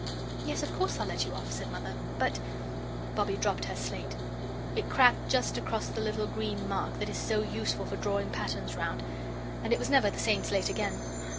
"Yes, of course I'll let you off," said Mother; "but " Bobbie dropped her slate. It cracked just across the little green mark that is so useful for drawing patterns round, and it was never the same slate again.